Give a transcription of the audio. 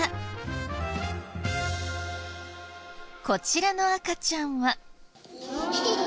こちらの赤ちゃんは。